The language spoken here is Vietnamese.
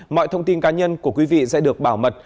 mọi thông tin cá nhân của quý vị sẽ được bảo mật